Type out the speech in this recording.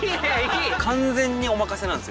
完全にお任せなんですよ。